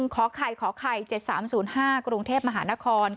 ขอไข่ขอไข่๗๓๐๕กรุงเทพมหานคร